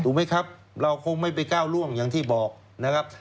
ไหมครับเราคงไม่ไปก้าวล่วงอย่างที่บอกนะครับ